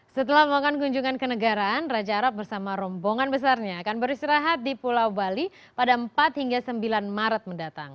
setelah melakukan kunjungan ke negaraan raja arab bersama rombongan besarnya akan beristirahat di pulau bali pada empat hingga sembilan maret mendatang